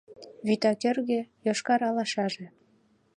Вӱта кӧргӧ йошкар алашаже